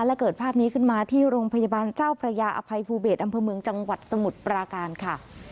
และเกิดภาพนี้ขึ้นมาที่โรงพยาบาลเจ้าพระยาอภัยภูเบศอำเภอเมืองจังหวัดสมุทรปราการค่ะ